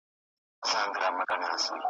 نو خپله فکري خپلواکي له لاسه ورکوي